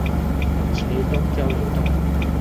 茄苳交流道